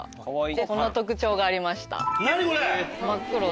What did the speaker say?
こんな特徴がありました。